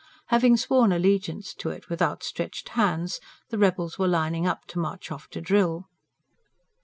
Having sworn allegiance to it with outstretched hands, the rebels were lining up to march off to drill.